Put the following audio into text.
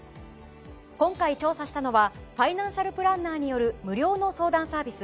今回調査したのはファイナンシャルプランナーによる無料の相談サービス